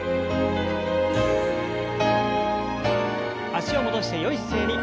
脚を戻してよい姿勢に。